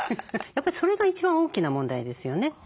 やっぱりそれが一番大きな問題ですよね